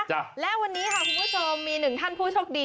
จ้ะและวันนี้ค่ะคุณผู้ชมมีหนึ่งท่านผู้โชคดี